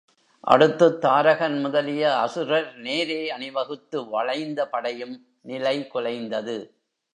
அடுத்துத் தாரகன் முதலிய அசுரர் நேரே அணிவகுத்து வளைந்த படையும் நிலை குலைந்தது.